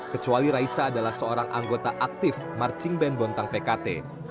kecuali raisa adalah seorang anggota aktif marching band bontang pkt